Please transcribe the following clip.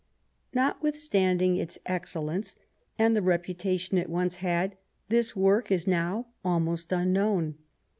Notwithstanding its excellence and the reputation it once had, this work is now almost unknown.